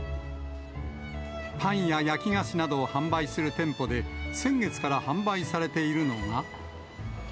パンや焼き菓子などを販売する店舗で、先月から販売されているのが。